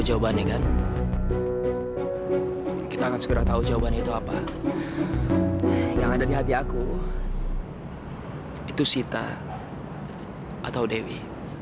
jawabannya kan kita akan segera tahu jawaban itu apa yang ada di hati aku itu sita atau dewi